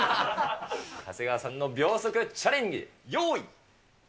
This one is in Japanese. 長谷川さんの秒速チャレンジ。